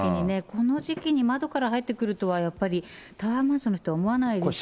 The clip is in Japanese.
この時期に窓から入ってくるとは、やっぱりタワーマンションの人は思わないでしょうから。